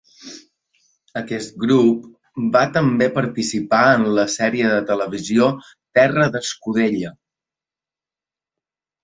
Aquest grup va també participar en la sèrie de televisió Terra d'escudella.